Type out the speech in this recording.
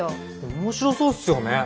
面白そうっすよね。